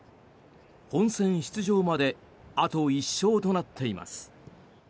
本選出場まであと１勝となっています。